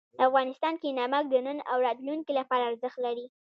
افغانستان کې نمک د نن او راتلونکي لپاره ارزښت لري.